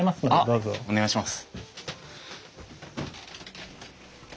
あっお願いします。